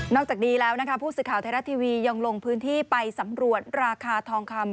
จากนี้แล้วนะคะผู้สื่อข่าวไทยรัฐทีวียังลงพื้นที่ไปสำรวจราคาทองคำ